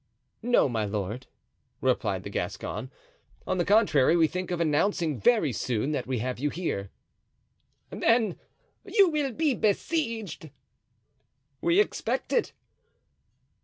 "No, my lord," replied the Gascon; "on the contrary, we think of announcing very soon that we have you here." "Then you will be besieged." "We expect it."